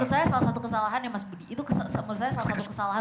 menurut saya salah satu kesalahan ya mas budi itu menurut saya salah satu kesalahan